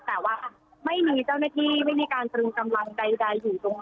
แต่ว่าไม่มีเจ้าหน้าที่ดูเรื่องการกำลังใดอยู่บนบนเมืองนะคะ